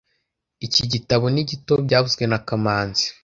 Iki gitabo ni gito byavuzwe na kamanzi